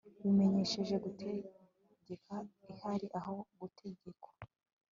bimenyereje gutegeka irari aho gutegekwa